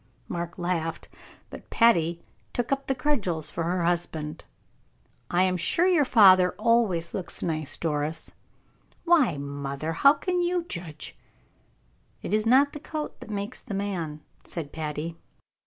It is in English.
Mark laughed, but Patty took up the cudgels for her husband. "I am sure your father always looks nice, Doris." "Why, mother, how can you judge?" "It is not the coat that makes the man," said Patty.